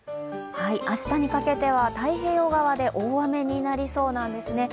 明日にかけては太平洋側で大雨になりそうなんですね。